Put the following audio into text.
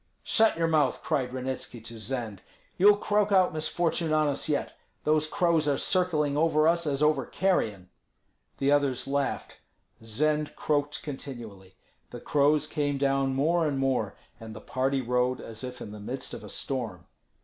"Shut your mouth!" cried Ranitski to Zend. "You'll croak out misfortune on us yet. Those crows are circling over us as over carrion." The others laughed. Zend croaked continually. The crows came down more and more, and the party rode as if in the midst of a storm.